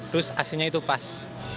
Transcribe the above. terus aslinya itu pas